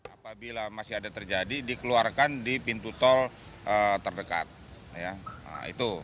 apabila masih ada terjadi dikeluarkan di pintu tol terdekat